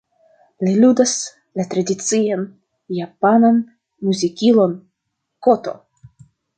Li ludas la tradician japanan "muzikilo"n, "koto".